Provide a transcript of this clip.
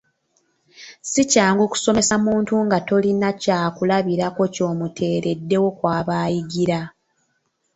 Si kyangu kusomesa muntu nga tolina kyakulabirako ky’omuteereddewo kwaba ayigira!